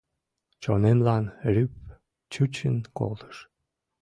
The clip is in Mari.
Чонемлан рӱп чучын колтыш.